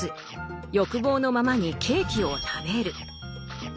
欲望のままにケーキを食べる。